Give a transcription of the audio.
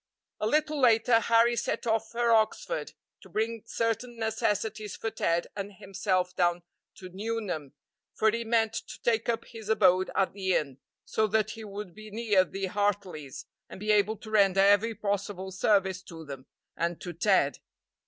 A little later Harry set off for Oxford, to bring certain necessities for Ted and himself down to Nuneham, for he meant to take up his abode at the inn, so that he would be near the Hartleys, and be able to render every possible service to them and to Ted.